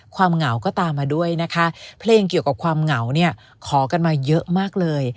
เหงาก็ตามมาด้วยนะคะเพลงเกี่ยวกับความเหงาเนี่ยขอกันมาเยอะมากเลย